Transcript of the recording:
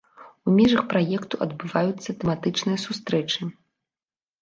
У межах праекту адбываюцца тэматычныя сустрэчы.